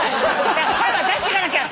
声は出していかなきゃと。